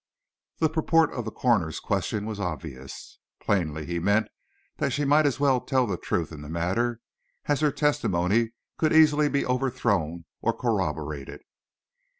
The purport of the coroner's question was obvious. Plainly he meant that she might as well tell the truth in the matter, as her testimony could easily be overthrown or corroborated.